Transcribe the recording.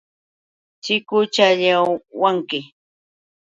Chikuchayawanki.